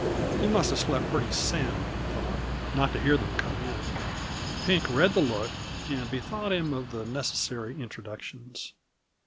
He must have slept pretty sound, he thought, not to hear them come in. Pink read the look, and bethought him of the necessary introductions.